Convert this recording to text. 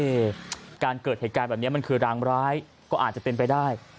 การเกิดเหตุการณ์แบบนี้มันคือรางร้ายก็อาจจะเป็นไปได้